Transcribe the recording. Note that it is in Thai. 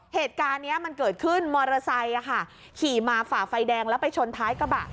เหตุการณ์นี้มันเกิดขึ้นมอเตอร์ไซค์ขี่มาฝ่าไฟแดงแล้วไปชนท้ายกระบะ